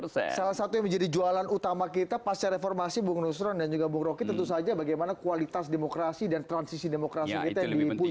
salah satu yang menjadi jualan utama kita pasca reformasi bu musroon dan juga bu rocky tentu saja bagaimana kualitas demokrasi dan transisi demokrasi kita di puji internasional